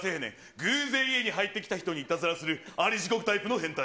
偶然家に入ってきた人にいたずらアリ地獄タイプ？